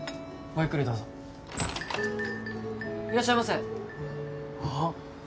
ゆっくりどうぞいらっしゃいませああっ